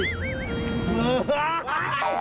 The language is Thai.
เออไอ้คำ